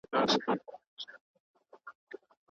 افغانستان د نړیوالو شخړو په حل کي رول نه لوبوي.